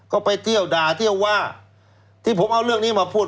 ก็ไปเที่ยวด่าเที่ยวว่าที่ผมเอาเรื่องนี้มาพูด